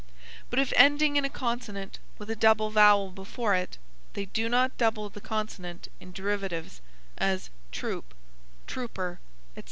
But if ending in a consonant with a double vowel before it, they do not double the consonant in derivatives; as troop, trooper, etc.